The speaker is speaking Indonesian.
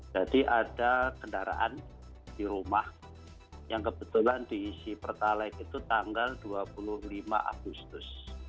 jadi ada kendaraan di rumah yang kebetulan diisi pertalite itu tanggal dua puluh lima agustus